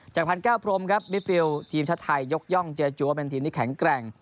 จาก๒๐๑๙ครับนิฟฟิลด์ทีมชะไทยยกย่องเจจูว่าเป็นทีมที่แข็งแกร่ง